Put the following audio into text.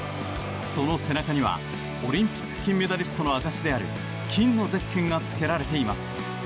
その背中にはオリンピック金メダリストの証しである金のゼッケンが付けられています。